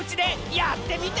やってみて！